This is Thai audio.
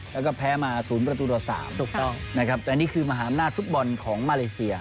แล้วก็แพ้มาศูนย์ประตูตัว๓นะครับอันนี้คือมหามนาธิ์ฟุตบอลของมาเลเซีย